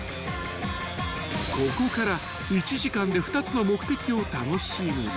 ［ここから１時間で２つの目的を楽しむ］